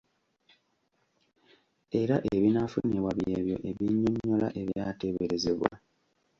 Era ebinaafunibwa by'ebyo ebinnyonnyola ebyateeberezebwa.